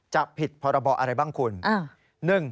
ผิดพรบอะไรบ้างคุณ